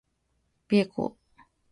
bhghcb